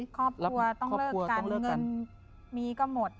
ครอบครัวต้องเลิกกันเงินมีก็หมด